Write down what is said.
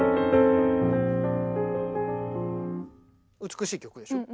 美しい曲でしょ？